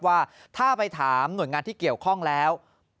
ว่าถ้าไปถามหน่วยงานที่เกี่ยวข้องแล้ว